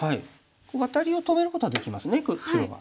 ワタリを止めることはできますね白が。